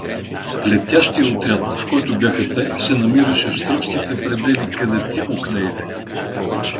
Летящият отряд, в който бяха те, се намираше в сръбските предели къде Тимок нейде.